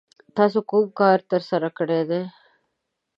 تاسو کوم کار ترسره کړی دی؟